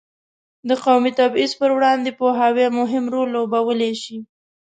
د قومي تبعیض پر وړاندې پوهاوی مهم رول لوبولی شي.